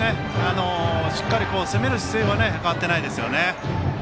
しっかり攻める姿勢は変わってないですよね。